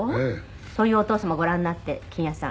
「そういうお父様ご覧になって欣也さん」